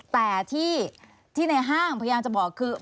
แต่ที่ในห้างพยายามจะบอกคือ